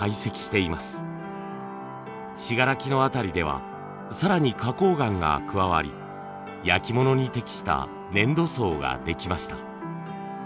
信楽の辺りでは更に花こう岩が加わり焼き物に適した粘土層ができました。